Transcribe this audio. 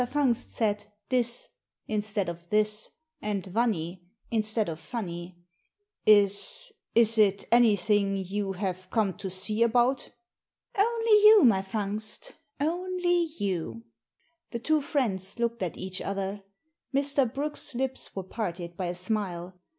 Fungst said "dis" instead of "this," and "vunny" instead of funny." '*Is — is it anything you have come to see about?" " Only you, my Fungst — only you." The two friends looked at each other. Mr. Brooke's lips were parted by a smile.